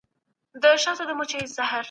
ادم ع د علم په واسطه بريالی سو.